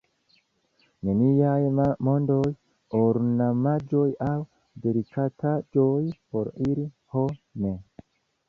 Neniaj mondaj ornamaĵoj aŭ delikataĵoj por ili, ho ne!